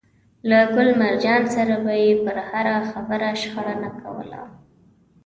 له ګل مرجان سره به يې پر هره خبره شخړه نه کوله.